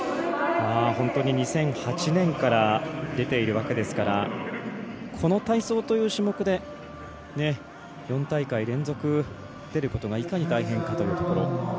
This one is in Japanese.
本当に２００８年から出ているわけですからこの体操という種目で４大会連続出ることがいかに大変かというところ。